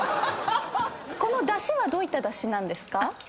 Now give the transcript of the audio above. この出汁はどういった出汁なんですか？